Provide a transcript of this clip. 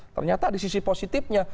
ternyata di sisi positifnya